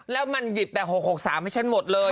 แล้วมันหยิบแต่๖๖๓ให้ฉันหมดเลย